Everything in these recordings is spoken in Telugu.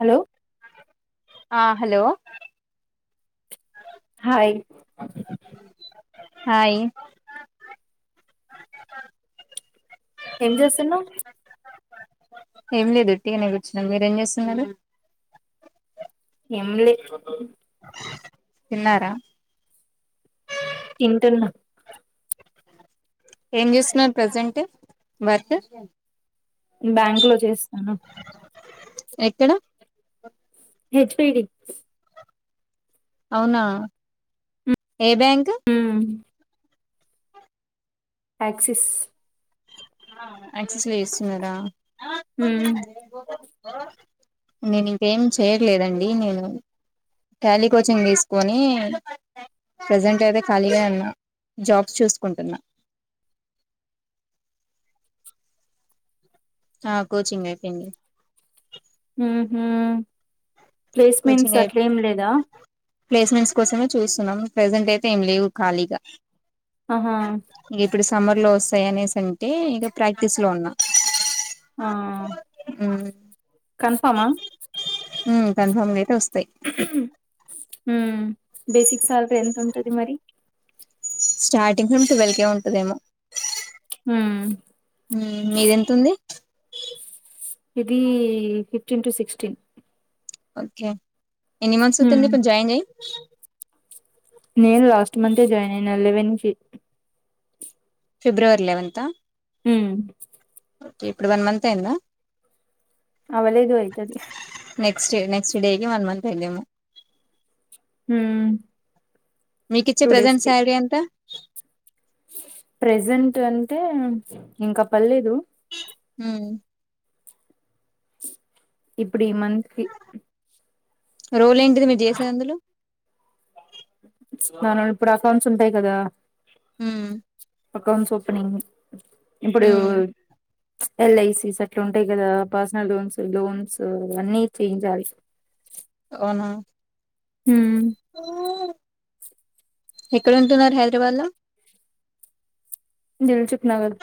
హలో ఆ హలో హాయ్ హాయి్ ఏం చేస్తున్నావ్ ఏం లేదు ఉట్టిగానే కూర్చున్నాం మీరేం చేస్తున్నారు ఎమ్లె తిన్నార తింటున్నా ఏం చేూస్తున్నార్ ప్రజెంట్ వర్క్ బ్యాంకులో చేస్తున్న ఎక్కడ హెచ్ పీ డీ స్ అవున ఏ బ్యాంక్ యాక్సిస్ హా యాక్సెస్ లో చేస్తున్నారా ఉమ్ నేను ఇంకేం చేయట్లేదండి నేను టాలీ కోచింగ్ తీసుకొని ప్రజెంట్ అయితే ఖాళీగానె ఉన్నా జాబ్స్ చూసుకుంటున్నా హా కోచింగ్ అయిపోయింది ఊహు కోచింగ్ ప్లేస్మెంట్స్ అయి అట్లేం లేదా ప్లేస్మెంట్స్ కోసమే చూస్తున్నాం ప్రజెంట్ అయితే ఏం లేవు ఖాళీగా అహా ఇక ఇప్పుడు సమ్మర్ లో వస్తాయి అనేసి అంటే ఇక ప్రాక్టీస్ లో ఉన్నా ఆ ఉమ్ కన్ఫామ ఉమ్ కన్ఫర్మ్ గయితె వస్ ఉ బేసిక్ సాలరీ ఎంత ఉంటది మరి స్టార్టింగ్ ట్వెల్వ్ కే ఉంటదేమో ఉమ్ మీది ఎంతుంది ఇది ఫిఫ్టీన్ టు సిక్స్టీన్ ఓకే ఎన్ని మంత్స్ అవుతుంది ఉమ్ ఇప్పుడు జాయిన్ చేయ్ నేను లాస్ట్ మంత్ే జాయిన్ అయిన లెవెన్ కి ఫిబ్రవరి లెవెన్తా హు ఇప్పుడు వన్ మంత్ అయిందా అవ్వలేదు అయితది నెక్స్ట్ే నెక్స్ట్ డేకి వన్ మంత్ అయిద్దెమో హు మీకిచ్చే ప్రజెంట్ శాలరీ ఎంత ప్రెజెంట్ అంటే ఇంక పర్లేదు ఉ ఇప్పుడు ఈ మంత్ కి రోల్ ఏంటిది మీర్ చేసేది అందులో దాంట్లో ఇప్పుడు అకౌంట్స్ ఉంటాయి కదా ఉమ్ అకౌంట్స్ ఓపెనింగ్ ఇప్పుడూ ఉమ్ ఎల్ఐసిస్ అట్లా ఉంటాయి కదా పర్సనల్ లోన్స్ లోన్స్ అవన్నీ చేంయాలి వునా హ ఎక్కడ ఉంటున్నారు హైదరాబాద్ లో దిల్ కుశ నగర్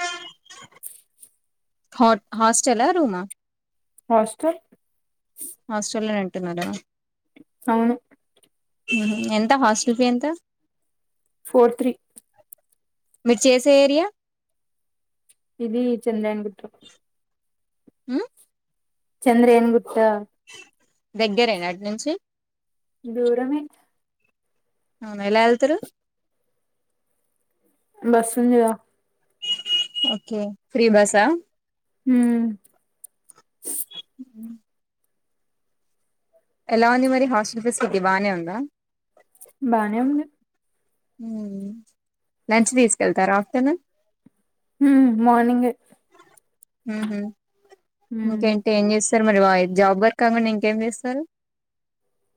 హాస్టలా రూమా హాస్టల్ మేడం అవును ఎంత హాస్టల్ ఫి ఎంత ఫోర్ త్రీ మీరు చేసే ఏరియా ఇది చెంద అంబట్ హ చంద్ర ఏన్ గు డిగ్రీ నా ఇంకాడ నుంచి దూరమే అవును ఎలా వెళ్తారు బస్ ఉ చేద ఓకే ఫ్రీ బసా హ అ ఎలా ఉంది మరి హాస్టల్ ఫెసిలిటీ ఇది బాగానే ఉందా బానే ఉంది లంచ్ తీసుకెళ్తారు ఆఫ్టర్నూన్ ఉమ్ మార్నింగే ఉమ్ ఇంకేంటి ఏం చేసి సార్ మరి జాబ్ వర్క్ కాకుండా ఇంకేం చేస్తారు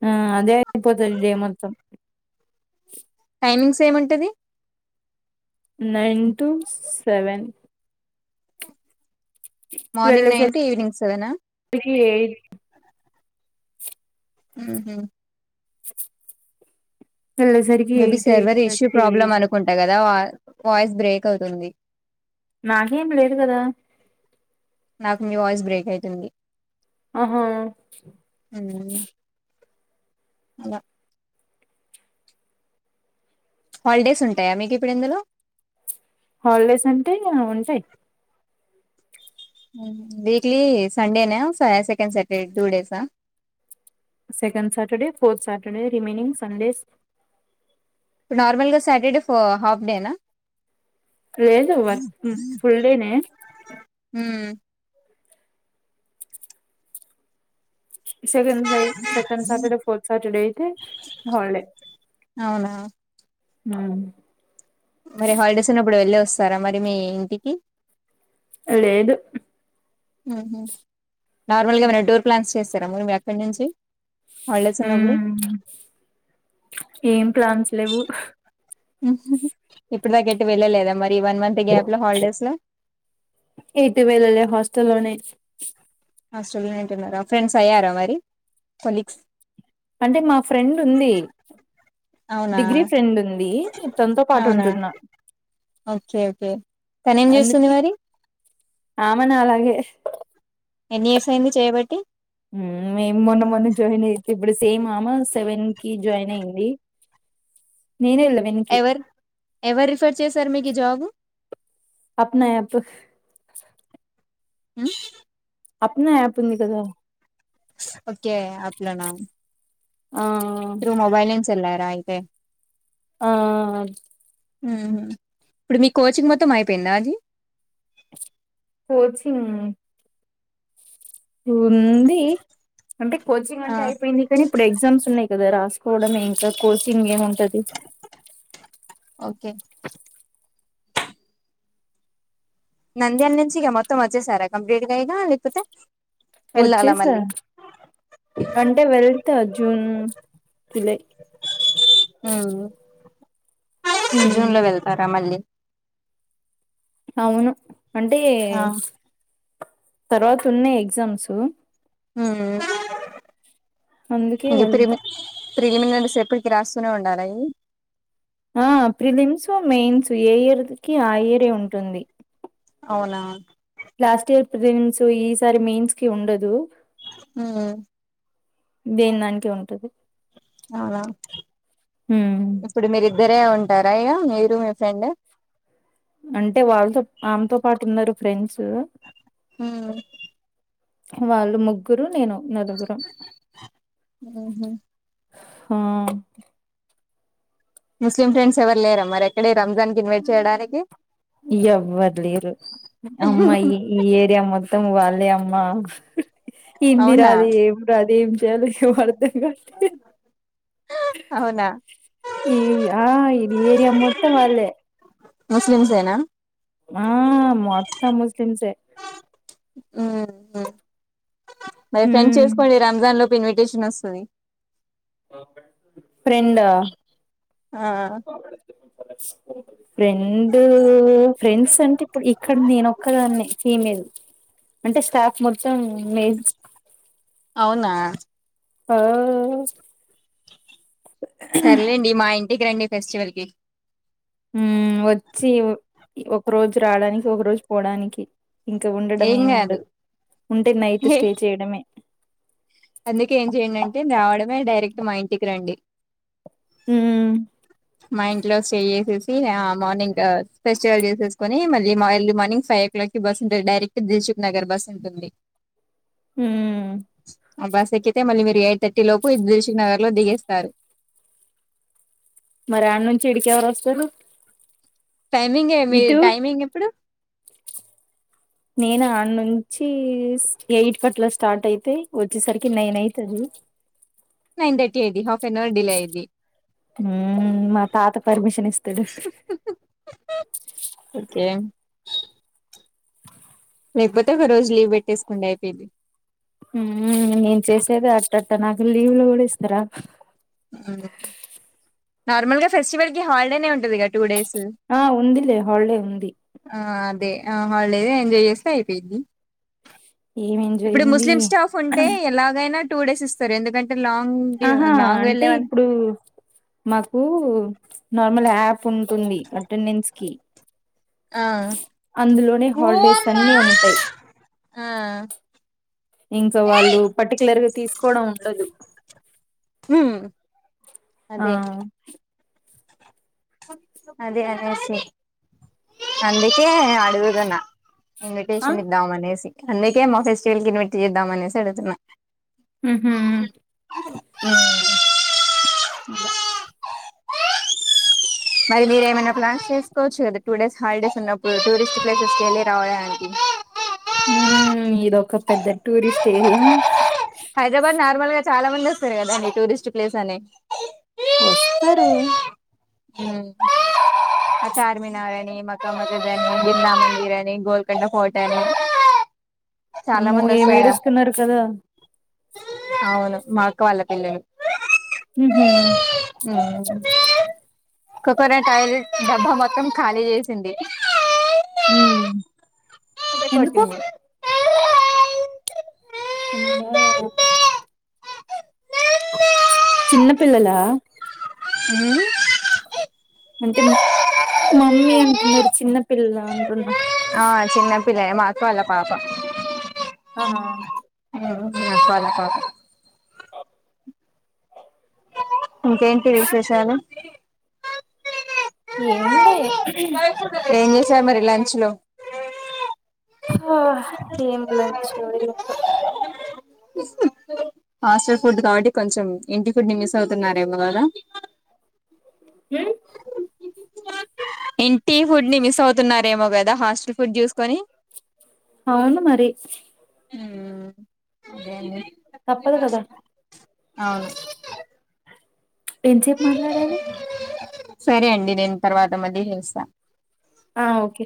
ఆ అదే ఇపో తెలిడే మొత్తం టైమింగ్స్ ఏమింటది nine to seven morning nine evening సెవెనా ఇయి హ హ వెళ్ళేసరికి maybe eight eight server issue thirty problem అనుకుంటా కదా వా వాయిస్ బ్రేక్ అవుతుంది నాకేం లేదు కదా నాకు మీ వాయిస్ బ్రేక్ అయితుంది ఆహా హ్మ్. అలా హాలిడేస్ ఉంటాయా మీకు ఇప్పుడు ఇందులో హాలిడేస్ అంటే ఉంటాయి్ వీక్లీ సండేనే సెకం Saturday two డేస్ా second Saturday fourth Saturday remaining Sundays ఇప్పుడు నార్మల్గా సాటర్డే హాఫ్ డేనా లేదు వర్ ఫుల్ డేనే సెకడ్ ఉ సెకడ్ సటర్డే ఫోర్ సటర్డేయితే హల్డే అవునా ఆ మరి హాలిడేస్ ఉన్నప్పుడు వెళ్ళి వస్తారా మరి మీ ఇంటికి అ లేే ఇదు నార్మల్ గా మరి డోర్ ప్లాన్స్ చేస్తారారిము అక్కడ నుంచి హాలిడేస్ ఉన్నప్పుడు హ్మ్ ఏం ప్లాన్స్ లేవు ఇప్పుడు దాకట్టి వెళ్ళలేదా మరి ఈ వన్ మంత్ గ్యాప్ లో హాలిడేస్ లో ఎటు వేలలా హాస్టల్ లోనే హాస్టల్ లో ఉంటున్నారా ఫ్రెండ్స్ అయ్యారా మరి కొలీగ్స్ అంటే మా ఫ్రెండ్ ఉంది అవునా డిగ్రీ ఫ్రెండ్ ఉంది తనతో పాటు అవునా ఉంటున్నా ఓకే ఓకే తనీ ఏం చేస్తుంది మరి ఆమనా అలాగే ఎన్ని ఇయర్స్ అయింది చేయబట్టి మేము మొన్న మొన్న జాయిన్ అయితే ఇప్పుడు సేమ్ అమ్మే సెవెన్ కి జాయిన్ అయ్యంది ఎవర్ ఎవరు రిఫర్ చేశారు మీకు ఈ జబు అప్నా యాప్ హ అప్నా యాపు ఉంది కద ఓకే యాప్ లోనా ఆ చల్లార అయితే ఆ హ్మ్ ఇప్పుడు మీ కోచింగ్ మొత్తం అయిపోయిందా అది కోచింగ్ ఉంది అంటే కోచింగ్ ఆ అంటే అయిపోయింది కానీ ఇప్పుడు ఎగ్జామ్స్ ఉన్నాయి కదా రాసుకోవడమే ఇంకా కోచింగ్ ఏం ఉంటది ఓకే నంద్యాల నుంచి ఇక మొత్తం వచ్చేసారా కంప్లీట్గా ఈక లేకపోతే వెళ్ళాలా వచ్చేసా మళ్ళీ అంటే వెళ్తా జూన్ జులై మ్మ్ ఉమ్ జూన్ లో వెళ్తారా మళ్ళీ అవును అంటే తర్వాత ఉన్నాయి ఎగ్జామ్స్ హ్మ్ అందుకే వెళ్తా స్త్రీమి రండి సేపటికి రాస్తూనే ఉండాలవి ఆ ప్రిలిమ్స్ మెయిన్స్ ఏ ఇయర్కి ఆ ఇయరే ఉంటుంది అవునా లాస్ట్ ఇయర్ ప్రిలిమ్స్ ఈసారి మెయిన్స్ కి ఉండదు మ్మ్ దేన దానికే ఉంటది అవునా ఉమ్ ఇప్పుడు మీర ఇద్దరే ఉంటారా అయ్యా మీరు మీ ఫ్రెండ్ అంటే వాళ్ళతో ఆమెతో పాటు ఉన్నారు ఫ్రెండ్స్ హ్మ్ వాళ్ళు ముగ్గురు నేను నలుగురం హ్మ్ ముస్లిం ఫ్రెండ్స్ ఎవరు లేరమ్ మరి ఎక్కడే రంజాన్ కి ఇన్వైట్ చేయడానికి ఇ ఎవరు లేరు అమ్మా ఈ ఈ ఏరియా మొత్తం వాల్ అ అమ్మా అవునా హిందరాదు ఏం రాదు ఏం చేయాలో ఏమో ఏం అర్థం కాట్లే అవునా ఈ ఆ ఇది ఏరియా మొత్తం వాళ్ళే ముస్లిమ్స్ ఎనా ఆ మొత్తం ముస్లింసే మరి ఫ్రెండ్స్ హ్మ్ చేసుకోండి రంజాన్ లో ఇన్విటేషన్ వస్తాది ఫ్రెండా ఆ ఫ్రెండ్ ఫ్రెండ్స్ అంటే ఇప్పుడు ఇక్కడ నేను ఒక్కదానే ఫీమేల్ అంటే స్టాప్ మొత్తం మేజ్ అవునా ఒహ్హస్ సర్లేండి మా ఇంటికి రండి ఫెస్టివల్ కి హ్మ్ వచ్చి ఒక రోజు రావడానికి ఒక రోజు పోడానికి ఇంకా ఉండడం ఏం ఏమి కాదు ఉండదు ఉంటే నైట్ హే స్టే చేయడమే అందుకే ఏం చేయండి అంటే రావడమే డైరెక్ట్ మా ఇంటికి రండి హ్మ్ టే ఆ మార్నింగ్ ఫెస్టివల్ చేసేసుకుని మళ్లీ మళ్ళర్లీ మార్నింగ్ ఫైవ్ ఓ క్లాక్ కి బస్ ఉంట డైరెక్ట్ జస్ చుప్ నగర్ బస్ ఉంటుంది ఉమ్ ఆ బస్ ఎక్కితే మళ్ళీ మీరు ఎయిట్ థర్టీ లోపు ఇ దరుశక్ నగర్ లో దిగేస్తారు మరి ఆడ నుంచి ఇడకి ఎవరు వస్తారు టైమింగ్ ఏమీ ఇటు టైమింగ్ ఎప్పుడు నేను ఆడ నుంచి ఎయిట్ అట్ల స్టార్ట్ అయితే వచ్చేసరికి నైన్ అయితాది నైన్ థర్టీ ఐది హాఫ్ టెన్ అవర్ డిలే ఐది హ్మ్ మా తాత పర్మిషన్ ఇస్తాడు ఓకే లేకపోతే ఒక రోజు లీవ్ పెట్టేసుకుండి అయిపియిది హ్మ్ నేను చేసేద అట్టట్టా నాకు లీవులు కూడా ఇస్తార హ్మ్ నార్మల్ గా ఫెస్టివల్ కి హాలిడేనే ఉంటది కదా టూ డేస్ ఆ ఉందిలే వాళే ఉంది ఆ అదే ఆ హాలిడేఎంజాయ్ చేస్త అయిపోది ఏం ఎంజాయ్ ఇప్పుడు ఉంది ముస్లిం స్టాప్ ఉంటే ఎలాగైనా టూ డేస్ ఇస్తారు ఎందుకంటే లాంగ్ డ్యూ ఆహా లాంగ్ అంటే వెళ్ళే వాళ్ళు ఇప్పుడు మాకు నార్మల్ యాప్ ఉంటుంది అటనన్స్ కి ఆ అందులోనే హాలిడేస్ అన్ని ఉంటాయి ఆ ఇంకా వాళ్ళు పట్టికలర్గా తీసుకోవడం ఉండదు హ్మ్ ఆ అదే అదే అదేే సే అంది కే దే అడుగుతు నా ఆ ఇన్విటేషన్ ఇద్దామనేసి అంది కే మా ఫెస్టివల్ కి ఇన్వైట్ చేద్దామనేసి అడుతున్నా ఉమ్ హ్మ్ మరి మీరు ఏమైనా ప్లాన్స్ చేసుకోవచ్చు కదా టూ డేస్ హాలిడేస్ ఉన్నప్పుడు టూరిస్ట్ ప్లేసెస్ కి వెళ్ళి రావడానికి ఉమ్ ఇదొక పెద్ద టూరిస్ట్ ఏరియా హైదరాబాద్ నార్మల్ గా చాలా మంది వస్తారు కదాండి టూరిస్ట్ ప్లేస్ అని వస్తరు హ్మ్ చార్మినార్ అని మక్కా మసీద్ అని బిర్లా మందిర్ అని గోల్కొండ ఫోర్ట్ అని చాలా అమ్మో మంది ఏం వస్తారుగా ఏడుస్తున్నాడు కదా అవును మా అక్క వాళ్ళ పిల్లలు ఉమ్ హ్మ్ ఉమ్ కోకోనేట్ ఆయిల్ డబ్బా మొత్తం ఖాళీ చేసింది హ్మ్ ఇదే కొట్టింది ఉందా లేదా చిన్నపిల్లలా ఉమ్ అంటే మం మమ్మీ అంటున్నారు చిన్నపిల్లల అంటున్నా ఆ చిన్న పిల్లే మా అక్క వాళ్ళ పాప ఆ మా అక్క వాళ్ళ పాప ఇంకేంటి విశేషాలు ఏం లే ఏం చేసారు మరి లంచ్ లో హొ ఏం లంచో ఏంటో హాస్టల్ ఫుడ్ కాబట్టి కొంచం ఇంటి ఫుడ్ ని మిస్ అవుతున్నారేమో కదా ఇంటి ఫుడ్ ని మిస్ అవుతున్నారేమో కదా హాస్టల్ ఫు అవును మరి ఉమ్ ఇంకేమి తప్పదు కదా అవును ఎంతసేపు మాట్లాడాలి సరే అండి నేను తర్వాత మళ్ళీ చేస్తా ఆ ఓకే